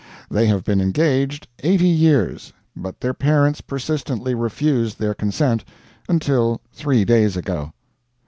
They have been engaged eighty years, but their parents persistently refused their consent until three days ago.